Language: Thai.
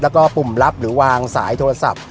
แล้วก็ปุ่มลับหรือวางสายโทรศัพท์